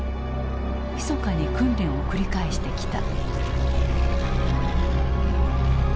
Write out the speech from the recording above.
ひそかに訓練を繰り返してきた。